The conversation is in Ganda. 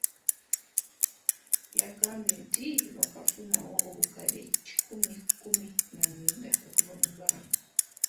Yagambye nti baakafunawo obukadde kikumi kkumi na mwenda okuva mu bbanka.